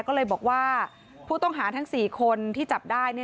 ก็เลยบอกว่าผู้ต้องหาทั้ง๔คนที่จับได้